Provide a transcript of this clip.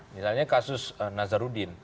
misalnya kasus nazarudin